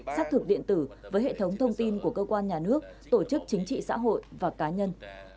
xác thực điện tử với hệ thống thông tin của cơ quan nhà nước tổ chức chính trị xã hội và cá nhân